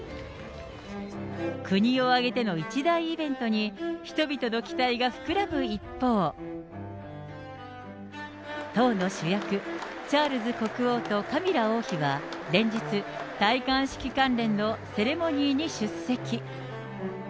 国を挙げての一大イベントに、人々の期待が膨らむ一方、当の主役、チャールズ国王とカミラ王妃は、連日、戴冠式関連のセレモニーに出席。